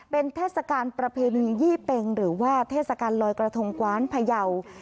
เป็นเทศกาลประเพณียี่เป็งหรือว่าเทศกาลลอยกระทงกว้านพยาว